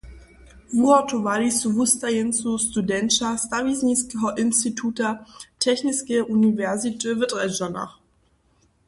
Wuhotowali su wustajeńcu studenća stawizniskeho instituta Techniskeje uniwersity w Drježdźanach.